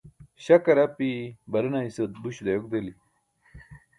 śakar api barena ise buś dayok deli